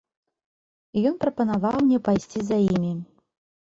Ён прапанаваў мне пайсці за імі.